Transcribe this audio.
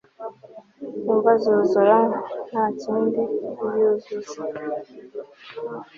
imva zuzura ntakind iyuzuza